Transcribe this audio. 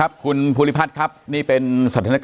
อย่างที่บอกไปว่าเรายังยึดในเรื่องของข้อ